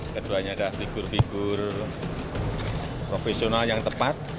keduanya adalah figur figur profesional yang tepat